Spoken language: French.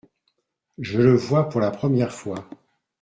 Je le vois pour la première fois.